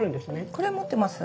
これ持ってます。